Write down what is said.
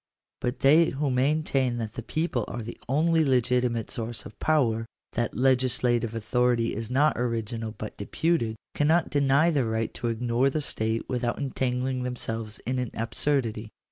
But they who maintain that the people are the only legitimate source of power — that legis lative authority is not original, but deputed — cannot deny the right to ignore the state without entangling themselves in an absurdity.